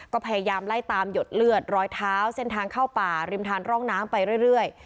ก็พยายามไล่ตามหยดเลือดรอยเท้าเส้นทางเข้าป่าริมทานร่องน้ำไปเรื่อย